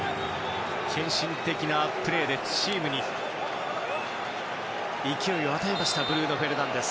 献身的なプレーでチームに勢いを与えましたブルーノ・フェルナンデス。